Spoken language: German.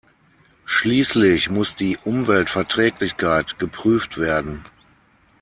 Schließlich muss die Umweltverträglichkeit geprüft werden.